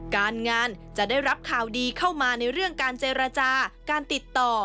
การงานจะได้รับข่าวดีเข้ามาในเรื่องการเจรจาการติดต่อ